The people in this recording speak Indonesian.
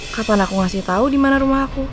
kapan aku ngasih tau dimana rumah aku